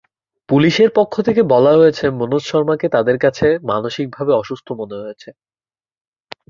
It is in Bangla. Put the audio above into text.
পুলিশের পক্ষ থেকে বলা হয়েছে, মনোজ শর্মাকে তাদের কাছে মানসিকভাবে অসুস্থ মনে হয়েছে।